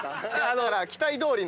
だから期待どおりの。